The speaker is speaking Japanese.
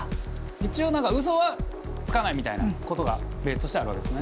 一応何かうそはつかないみたいなことがベースとしてはあるわけですね。